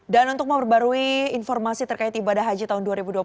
dan untuk memperbarui informasi terkait ibadah haji tahun dua ribu dua puluh tiga